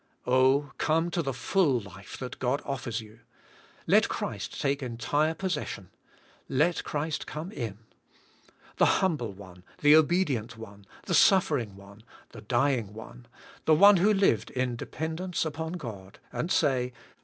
" Oh ! come to the full life that God offers you. Let Christ take entire possession. Let Christ come in. The Humble One, the Obedi ent One, the Suffering One, theDj^ng One, the One who lived in dependence upon God, and say.